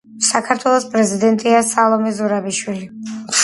საქართველოს პრეზიდენტია სალომე ზურაბიშვილი